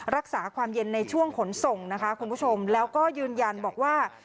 รักษาความเย็นในช่วงขนส่งนะคะคุณผู้ชมแล้วก็ยืนยันบอกว่า